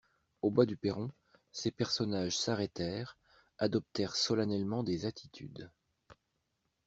Au bas du perron, ces personnages s'arrêtèrent, adoptèrent solennellement des attitudes.